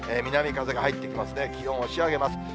南風が入ってきますんで、気温を押し上げます。